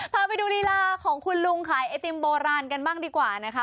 พาไปดูลีลาของคุณลุงขายไอติมโบราณกันบ้างดีกว่านะคะ